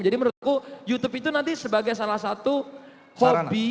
jadi menurutku youtube itu nanti sebagai salah satu hobi